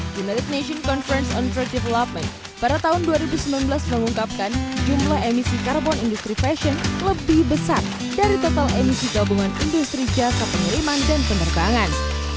united nations conference on the development pada tahun dua ribu sembilan belas mengungkapkan jumlah emisi karbon industri fashion lebih besar dari total emisi gabungan industri jasa pengiriman dan penerbangan